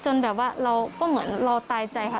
แบบว่าเราก็เหมือนเราตายใจค่ะ